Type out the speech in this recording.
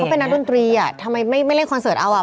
เป็นนักดนตรีอ่ะทำไมไม่เล่นคอนเสิร์ตเอาอ่ะ